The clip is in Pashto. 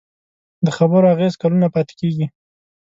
د خبرو اغېز کلونه پاتې کېږي.